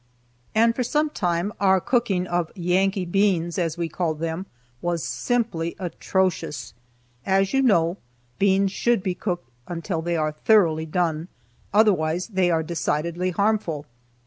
And for some time our cooking of "Yankee beans," as we called them, was simply atrocious. As you know, beans should be cooked until they are thoroughly done; otherwise they are decidedly harmful.